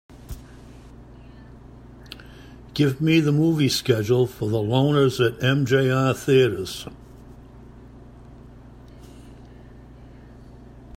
Give me the movie schedule for The Loners at MJR Theatres.